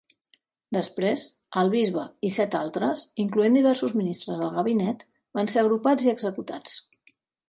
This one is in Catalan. Després, el bisbe i set altres, incloent diversos ministres del gabinet, van ser agrupats i executats.